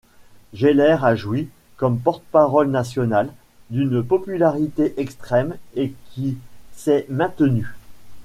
Gellert a joui, comme porte-parole national, d’une popularité extrême et qui s’est maintenue.